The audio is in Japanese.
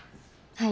はい。